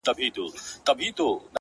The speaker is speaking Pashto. پاچا لگیا دی وه زاړه کابل ته رنگ ورکوي،